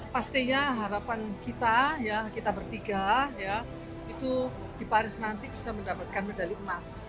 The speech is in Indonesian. pastinya harapan kita kita bertiga itu di paris nanti bisa mendapatkan medali emas